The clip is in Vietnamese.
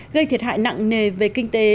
gây thiệt hại nặng nề về kinh tế